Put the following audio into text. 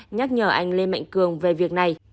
nhắc nhờ anh lê mạnh cường về việc này